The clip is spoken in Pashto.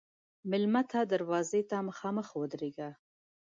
مېلمه ته دروازې ته مخامخ ودریږه.